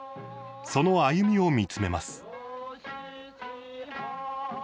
その歩みを見つめます。